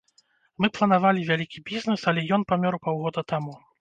Мы планавалі вялікі бізнес, але ён памёр паўгода таму.